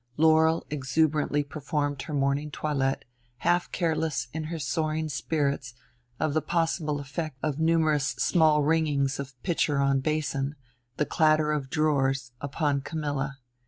Laurel exuberantly performed her morning toilet, half careless, in her soaring spirits, of the possible effect of numerous small ringings of pitcher on basin, the clatter of drawers, upon Camilla.